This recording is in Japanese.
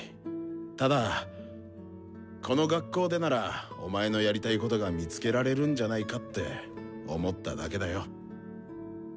ただこの学校でならお前のやりたいことが見つけられるんじゃないかって思っただけだよ。